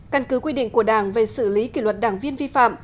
căn cứ quy định của đảng về xử lý kỷ luật đảng viên vi phạm